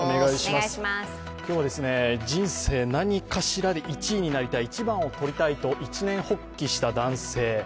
今日は人生何かしらで１位になりたい一番を取りたいと一念発起した男性。